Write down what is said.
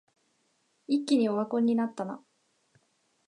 一気にオワコンになったな